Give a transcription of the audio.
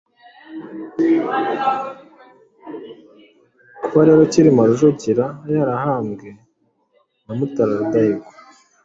Kuba rero Cyilima Rujugira yarahambwe na Mutara Rudahigwa